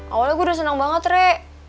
awalnya gue udah seneng banget rek